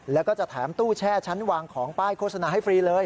แล้วก็จะแถมตู้แช่ชั้นวางของป้ายโฆษณาให้ฟรีเลย